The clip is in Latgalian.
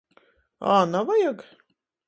Ā, navajag?